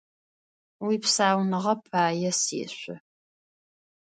Уипсауныгъэ пае сешъо!